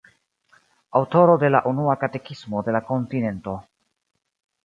Aŭtoro de la unua katekismo de la Kontinento.